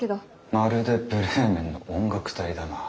まるでブレーメンの音楽隊だな。